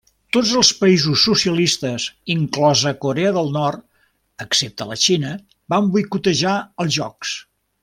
Tots els països socialistes, inclosa Corea del Nord, excepte la Xina, van boicotejar els jocs.